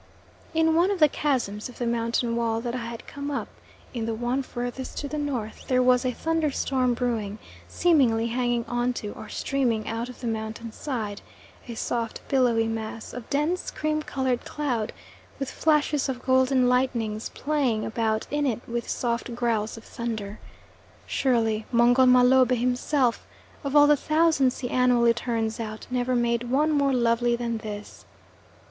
In one of the chasms of the mountain wall that I had come up in the one furthest to the north there was a thunderstorm brewing, seemingly hanging on to, or streaming out of the mountain side, a soft billowy mass of dense cream coloured cloud, with flashes of golden lightnings playing about in it with soft growls of thunder. Surely Mungo Mah Lobeh himself, of all the thousands he annually turns out, never made one more lovely than this.